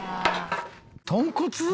豚骨。